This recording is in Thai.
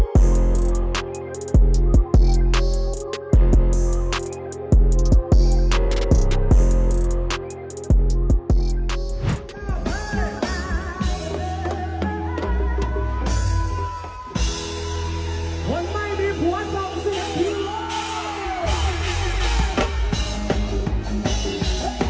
วันใหม่ดีผัวเท่าสิ่งที่หล่อ